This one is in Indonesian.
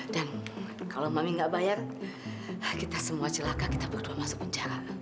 dan kalau mami tidak bayar kita semua celaka kita berdua masuk penjara